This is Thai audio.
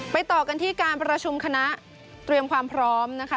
ต่อกันที่การประชุมคณะเตรียมความพร้อมนะคะ